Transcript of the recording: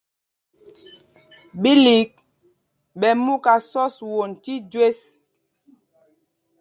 Bílîk ɓɛ mú ká sɔ̄s won tí jüés.